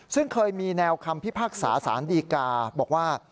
ซึ่งเคยมีแนวคำพิพากษาสารดีกาบอกว่า